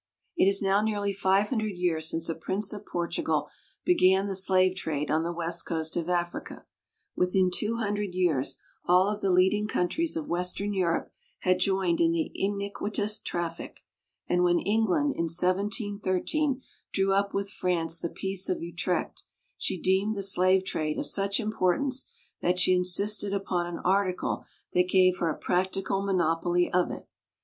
It is now nearly five hundred years since a prince of Portugal began the slave trade on the west coast of Africa. Within two hundred years all of the leading countries of western Europe had joined in the iniqui tous traffic, and when England in 1713 drew up with France the Peace of Utrecht she deemed the slave trade of such importance that she insisted upon an article that gave her a practical monopoly of it.